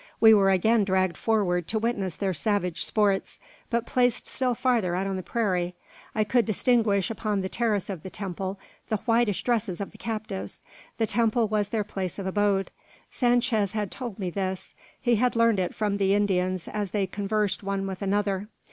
We were again dragged forward to witness their savage sports, but placed still farther out on the prairie. I could distinguish, upon the terrace of the temple, the whitish dresses of the captives. The temple was their place of abode. Sanchez had told me this. He had heard it from the Indians as they conversed one with another.